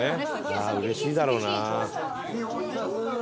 ああうれしいだろうな。